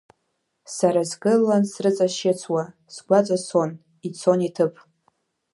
Сара сгылан срыҵашьыцуа, сгәаҵа цон, ицон иҭыԥ.